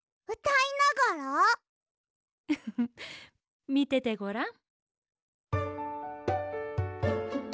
フフフッみててごらん。